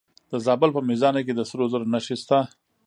د زابل په میزانه کې د سرو زرو نښې شته.